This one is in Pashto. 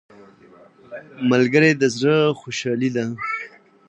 ملګری د زړه خوشحالي ده